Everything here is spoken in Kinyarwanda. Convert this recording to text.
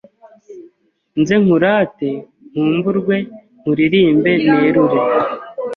Nze nkurate nkumburwe Nkuririmbe nerure